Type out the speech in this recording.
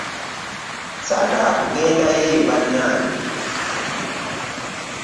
Ssaagala kugendayo eyo bannange.